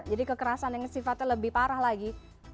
jadi kekerasan yang sifatnya lebih parah lagi